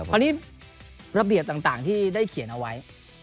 อันนี้ระเบียบต่างที่ได้เขียนเอาไว้